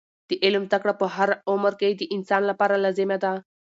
د علم زده کړه په هر عمر کې د انسان لپاره لازمه ده.